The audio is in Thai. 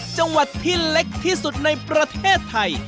จังหวัดที่เล็กที่สุดในประเทศไทย